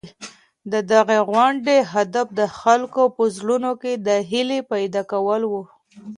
د دغي غونډې هدف د خلکو په زړونو کي د هیلې پیدا کول وو.